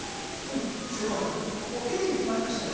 正解、綺麗に決まりましたね。